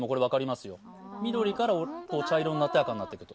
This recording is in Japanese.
緑から茶色になって、赤になっていくと。